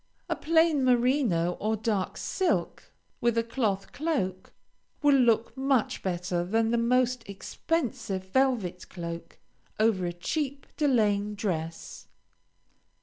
A plain merino or dark silk, with a cloth cloak, will look much better than the most expensive velvet cloak over a cheap delaine dress.